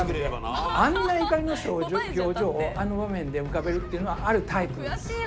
あんな怒りの表情をあの場面で浮かべるっていうのはあるタイプなんですよ。